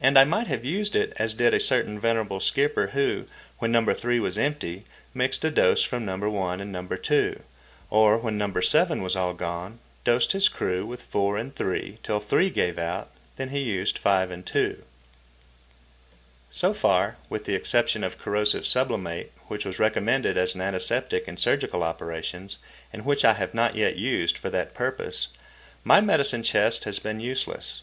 And I might have used it as did a certain venerable skipper, who, when No. 3 was empty, mixed a dose from No. 1 and No. 2, or, when No. 7 was all gone, dosed his crew with 4 and 3 till 3 gave out, when he used 5 and 2. So far, with the exception of corrosive sublimate (which was recommended as an antiseptic in surgical operations, and which I have not yet used for that purpose), my medicine chest has been useless.